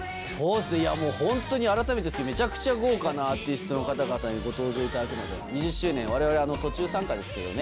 いやもうホントに改めてめちゃくちゃ豪華なアーティストの方々にご登場いただくので２０周年我々途中参加ですけどね